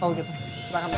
oh gitu silahkan pak